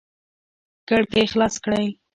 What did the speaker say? کړکۍ خلاص کړئ